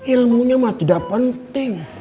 ilmunya mah tidak penting